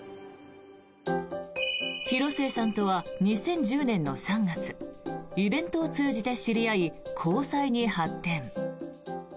広末さんとは２０１０年の３月イベントを通じて知り合い交際に発展。